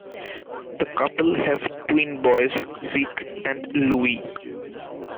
The couple have twin boys, Vic and Louie.